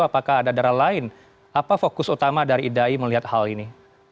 apakah ada darah lain apa fokus utama dari idai melihat hal ini